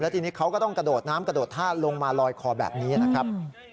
ทีนี้เขาก็ต้องกระโดดน้ำกระโดดท่าลงมาลอยคอแบบนี้นะครับ